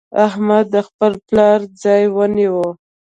احمد د خپل پلار ځای ونيو.